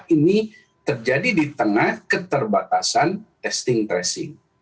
ini terjadi di tengah keterbatasan testing tracing